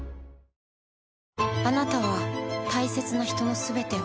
あなたは大切な人の全てを。